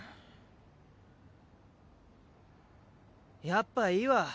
やっぱいいわ。